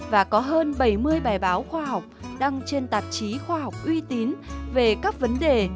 và có hơn bảy mươi bài báo khoa học đăng trên tạp chí khoa học uy tín về các vấn đề